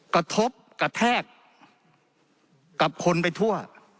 กระทบกระแทกกับคนไปทั่ว